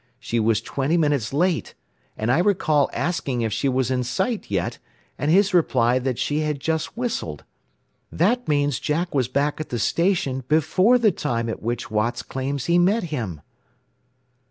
She was twenty minutes late, and I recall asking if she was in sight yet, and his reply that she had just whistled. "That means Jack was back at the station before the time at which Watts claims he met him!"